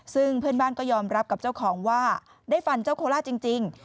ซึ่งเพื่อนบ้านก็ยอมรับกับเจ้าของว่าได้ฟันเจ้าโคล่าจริง